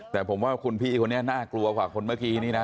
แต่ผมว่าคุณพี่คนนี้น่ากลัวกว่าคนเมื่อกี้นี่นะ